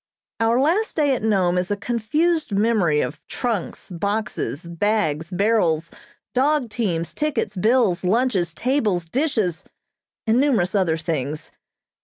Our last day at Nome is a confused memory of trunks, boxes, bags, barrels, dog teams, tickets, bills, lunches, tables, dishes, and numerous other things.